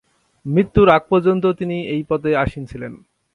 মৃত্যুর আগ পর্যন্ত তিনি এই পদে আসীন ছিলেন।